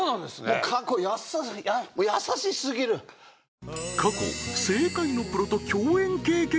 もう過去優しい過去正解のプロと共演経験